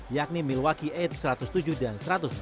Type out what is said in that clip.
yakni milwaukee delapan satu ratus tujuh dan satu ratus empat belas